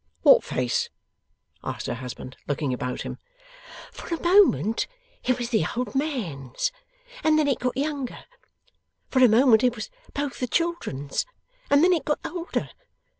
'What face?' asked her husband, looking about him. 'For a moment it was the old man's, and then it got younger. For a moment it was both the children's, and then it got older.